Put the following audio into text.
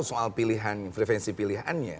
soal pilihan frevensi pilihannya